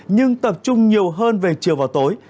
nhưng tập trung nhiều hơn về chiều và tối